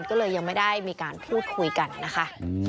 ก็เลยยังไม่ได้มีการพูดคุยกันนะคะ